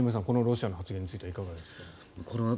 このロシアの発言についてはいかがですか。